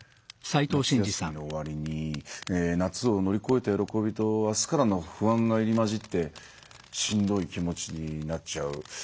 夏休みの終わりに夏を乗り越えた喜びと明日からの不安が入り混じってしんどい気持ちになっちゃう。